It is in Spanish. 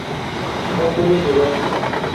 No pueden negarse.